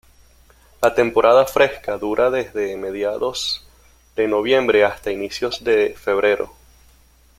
La temporada fresca dura desde mediados de noviembre hasta inicios de febrero.